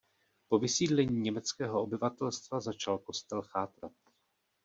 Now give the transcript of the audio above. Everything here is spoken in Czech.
Po vysídlení německého obyvatelstva začal kostel chátrat.